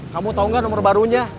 kamu tahu nggak nomor barunya